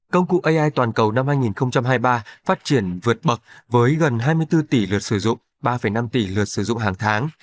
công cụ ai toàn cầu năm hai nghìn hai mươi ba phát triển vượt bậc với gần hai mươi bốn tỷ lượt sử dụng ba năm tỷ lượt sử dụng hàng tháng